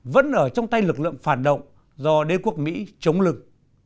vẫn ở trong tay lực lượng phản động do đế quốc mỹ chống lực